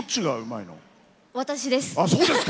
私です。